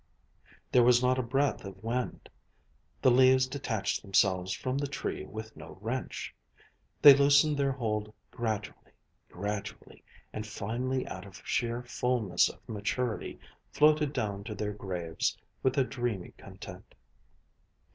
There was not a breath of wind. The leaves detached themselves from the tree with no wrench. They loosened their hold gradually, gradually, and finally out of sheer fullness of maturity floated down to their graves with a dreamy content.